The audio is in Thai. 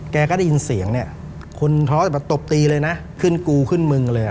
แกก็ได้ยินเสียงเนี่ยคนท้อแต่แบบตบตีเลยนะขึ้นกูขึ้นมึงเลย